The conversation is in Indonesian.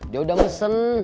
dia udah mesen